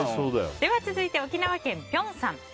続いて、沖縄県の方。